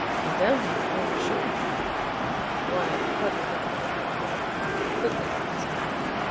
Madame will be overjoyed!" "Why, hardly that," replied Rolfe, completely off his guard.